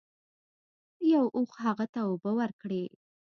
یو اوښ هغه ته اوبه ورکړې.